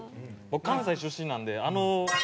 僕関西出身なんであの。